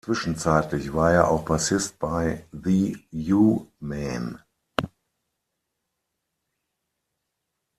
Zwischenzeitlich war er auch Bassist bei The U-Men.